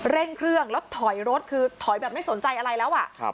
เร่งเครื่องแล้วถอยรถคือถอยแบบไม่สนใจอะไรแล้วอ่ะ